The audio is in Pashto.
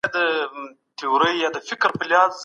که مسلمانان په رښتیا سره یو سي دښمن به مات سي.